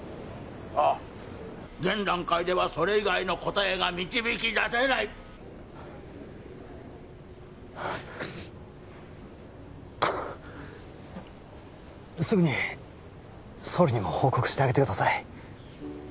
☎ああ現段階ではそれ以外の答えが導き出せないすぐに総理にも報告してあげてください